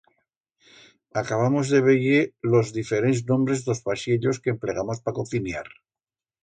Acabamos de veyer los diferents nombres d'os vaixiellos que emplegamos pa cociniar.